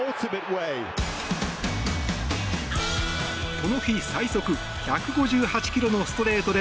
この日最速１５８キロのストレートで